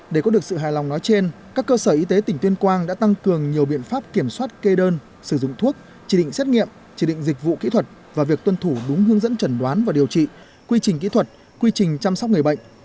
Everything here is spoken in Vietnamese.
để có được sự hài lòng nói trên các cơ sở y tế tỉnh tuyên quang đã tăng cường nhiều biện pháp kiểm soát kê đơn sử dụng thuốc chỉ định xét nghiệm chỉ định dịch vụ kỹ thuật và việc tuân thủ đúng hướng dẫn trần đoán và điều trị quy trình kỹ thuật quy trình chăm sóc người bệnh